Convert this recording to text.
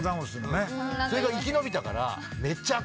それが生き延びたから。